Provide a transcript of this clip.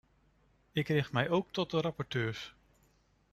Ik richt mij ook tot de rapporteurs.